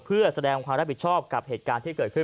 เพื่อแสดงความรับผิดชอบกับเหตุการณ์ที่เกิดขึ้น